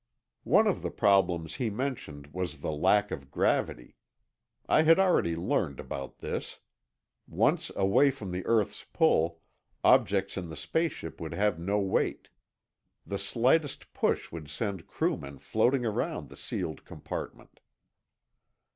One of the problems he mentioned was the lack of gravity. I had already learned about this. Once away from the earth's pull, objects in the space ship would have no weight. The slightest push could send crewmen floating around the sealed compartment.